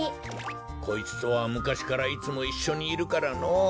こいつとはむかしからいつもいっしょにいるからのぉ。